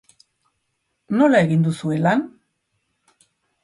Nola egin duzue lan?